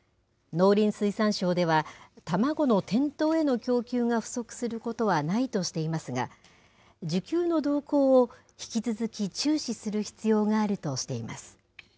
農林水産省では、卵の店頭への供給が不足することはないとしていますが、需給の動向を引き続き注視する必要があるとしています。